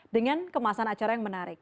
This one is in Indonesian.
dengan kemasan acara yang menarik